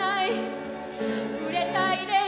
熟れたいです」